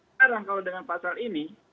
sekarang kalau dengan pasal ini